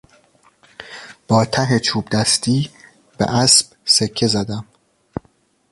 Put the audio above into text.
با ته چوبدستی به اسب سکه زدم.